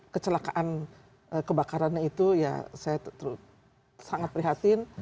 kecelakaan kebakarannya itu ya saya sangat prihatin